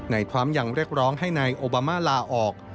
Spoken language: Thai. ทรัมป์ยังเรียกร้องให้นายโอบามาลาออก